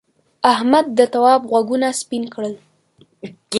احمد د تواب غوږونه سپین کړل.